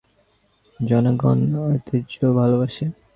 জনগণ ঐতিহ্য ভালোবাসে।